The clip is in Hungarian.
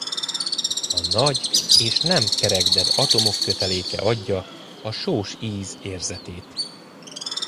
A nagy és nem kerekded atomok köteléke adja a sós íz érzetét.